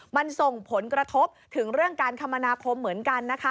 มันส่งผลกระทบถึงเรื่องการคมนาคมเหมือนกันนะคะ